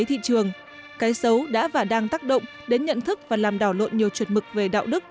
thị trường cái xấu đã và đang tác động đến nhận thức và làm đảo lộn nhiều chuẩn mực về đạo đức